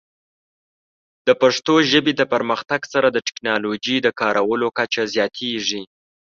د پښتو ژبې د پرمختګ سره، د ټیکنالوجۍ د کارولو کچه زیاتېږي.